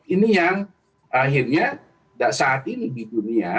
ini yang akhirnya saat ini di dunia